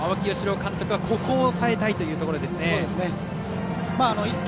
青木尚龍監督はここを抑えたいというところですね。